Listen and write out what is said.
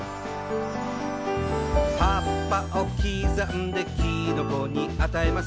「葉っぱを刻んできのこにあたえます」